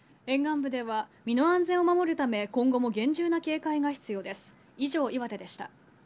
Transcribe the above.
沿岸部では身の安全を守るため、今後も厳重な警戒が必要です。